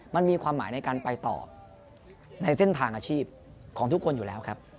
มันมีความหมายในการไปต่อในเส้นทางอาชีพของทุกคนอยู่แล้วครับ